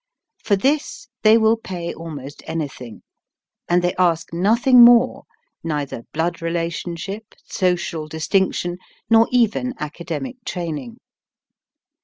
For this they will pay almost anything; and they ask nothing more, neither blood relationship, social distinction, nor even academic training.